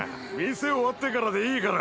店終わってからでいいから。